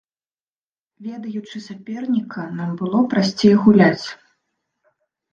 Ведаючы саперніка, нам было прасцей гуляць.